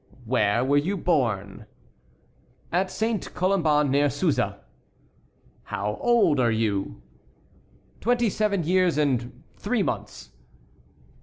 "Where were you born?" "At Saint Colomban, near Suza." "How old are you?" "Twenty seven years and three months."